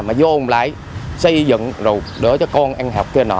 mà vô lại xây dựng rồi đỡ cho con ăn học kia nọ